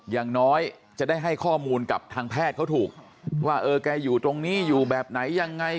อย่างน้อยจะได้ให้ข้อมูลกับทางแพทย์เขาถูกว่าเออแกอยู่ตรงนี้อยู่แบบไหนยังไง